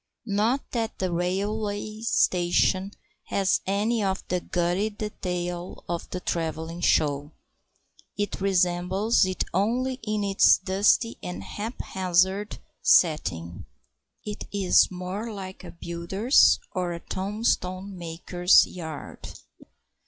Not that the railway station has any of the gaudy detail of the travelling show. It resembles it only in its dusty and haphazard setting. It is more like a builder's or a tombstone maker's yard.